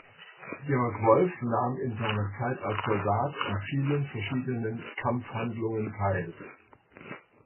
Georg Wolf nahm in seiner Zeit als Soldat an vielen verschiedenen Kämpfhandlungen teil.